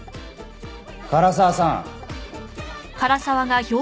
唐沢さん！